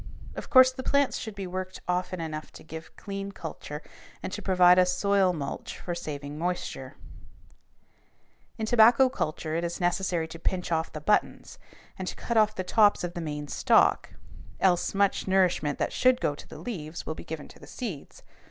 Of course the plants should be worked often enough to give clean culture and to provide a soil mulch for saving moisture. [Illustration: FIG. 191. TOPPING TOBACCO] In tobacco culture it is necessary to pinch off the "buttons" and to cut off the tops of the main stalk, else much nourishment that should go to the leaves will be given to the seeds.